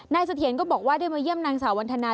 เสถียรก็บอกว่าได้มาเยี่ยมนางสาววันธนา